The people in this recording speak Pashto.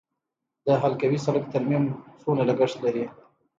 د حلقوي سړک ترمیم څومره لګښت لري؟